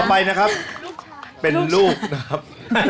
ไปนะครับเป็นลูกนะครับ